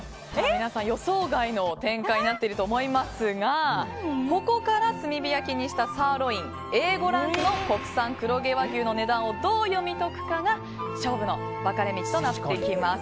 皆さん、予想外の展開になっていると思いますがここからは炭火焼きにしたサーロイン、Ａ５ランクの国産黒毛和牛の値段をどう読み解くかが勝負の分かれ道となってきます。